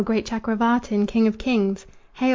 great Chakravartin, king of kings! Hail!